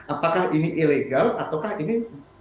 apakah ini ilegal ataukah ini